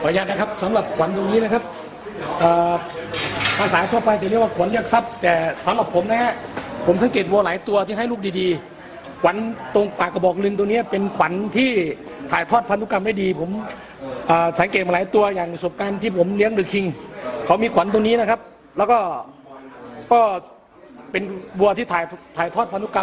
ยังนะครับสำหรับขวัญตรงนี้นะครับภาษาทั่วไปแต่เรียกว่าขวัญเรียกทรัพย์แต่สำหรับผมนะฮะผมสังเกตวัวหลายตัวที่ให้ลูกดีดีขวัญตรงปากกระบอกหนึ่งตัวเนี้ยเป็นขวัญที่ถ่ายทอดพันธุกรรมได้ดีผมสังเกตมาหลายตัวอย่างศพกันที่ผมเลี้ยงดูคิงขอมีขวัญตัวนี้นะครับแล้วก็ก็เป็นวัวที่ถ่ายถ่ายทอดพันธุกรรม